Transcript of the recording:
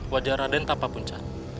wajah raden apa punca